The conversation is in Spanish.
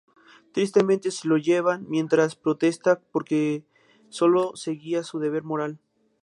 Tristemente, se lo llevan, mientras protesta que sólo seguía su deber moral.